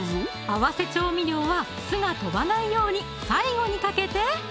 合わせ調味料は酢が飛ばないように最後にかけて！